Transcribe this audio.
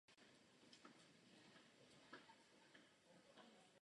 Až později přešla výkonná moc na vládu a prezidenta.